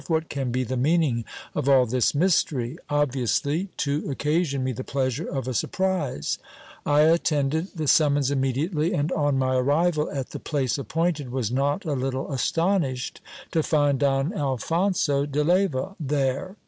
What can be the meaning of all this mystery ? Obviously to occasion me the pleasure of a surprise. I attended the summons immediately, and on my arrival at the place appointed, was not a little astonished to find Don Alphonso de Leyva there.